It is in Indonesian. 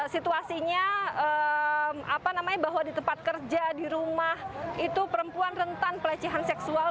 situasinya apa namanya bahwa di tempat kerja di rumah itu perempuan rentan pelecehan seksual